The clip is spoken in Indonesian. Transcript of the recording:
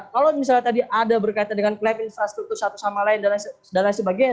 kalau misalnya tadi ada berkaitan dengan klaim infrastruktur satu sama lain dan lain sebagainya